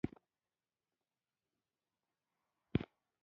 انصاف کول د پاچاهۍ عمر اوږدوي.